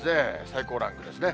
最高ランクですね。